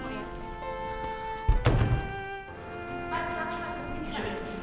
ya lek kamu sini semua ya